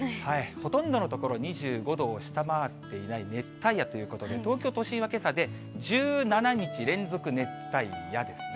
ほとんどの所、２５度を下回っていない熱帯夜ということで、東京都心はけさで１７日連続熱帯夜ですね。